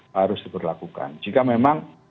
harus diberlakukan jika memang